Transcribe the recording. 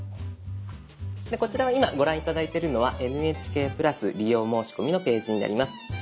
こちらは今ご覧頂いてるのは「ＮＨＫプラス利用申込み」のページになります。